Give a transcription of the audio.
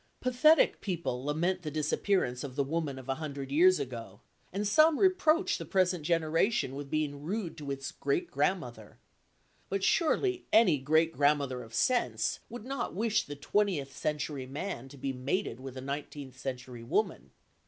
Pathetic people lament the disappearance of the woman of a hundred years ago, and some reproach the present generation with being rude to its great grandmother. But surely any great grandmother of sense would not wish the twentieth century man to be mated with a nineteenth century woman.